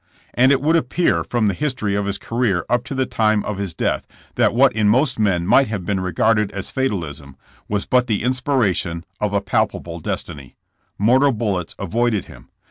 ' And it would appear from the history of his career up to the time of his death, that what in most men might have been regarded as fatalism was but the inspiration of a palpable destiny Mortal bullets avoided him.